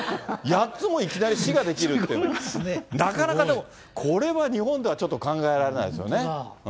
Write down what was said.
８つもいきなり市が出来るっていうのは、なかなかでも、これは日本ではちょっと考えられないですよね。